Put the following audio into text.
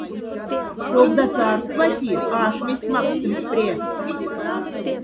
Шобда царствати аш месть макссемс пря.